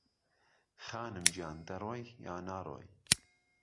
خانم گیان دهرۆی یا نارۆی